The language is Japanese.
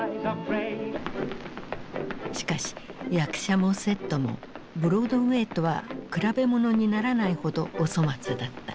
しかし役者もセットもブロードウェイとは比べ物にならないほどお粗末だった。